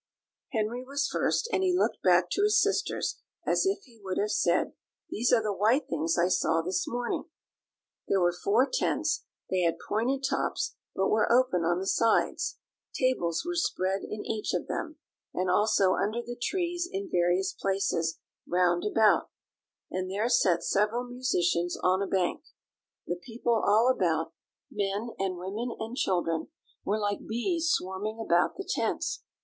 Henry was first, and he looked back to his sisters as if he would have said, "These are the white things I saw this morning." There were four tents; they had pointed tops, but were open on the sides; tables were spread in each of them, and also under the trees in various places round about; and there sat several musicians on a bank. The people all about, men and women and children, were like bees swarming about the tents.